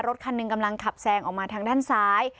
คันหนึ่งกำลังขับแซงออกมาทางด้านซ้าย